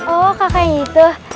oh kakak yang itu